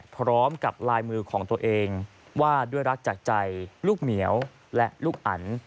พร้อมกับลายมือของตัวเองว่าด้วยรักจากใจลูกเหมียวและลูกอัน